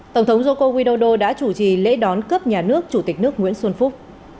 tổng thống joko widodo đã chủ trì lễ đón cấp nhà nước chủ tịch nước nguyễn xuân phúc